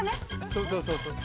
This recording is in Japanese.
そうそうそうそう。